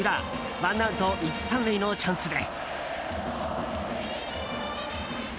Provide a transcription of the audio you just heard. ワンアウト１、３塁のチャンスで。